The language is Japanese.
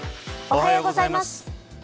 おはようございます。